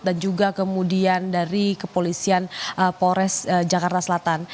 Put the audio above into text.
dan juga kemudian dari kepolisian polres jakarta selatan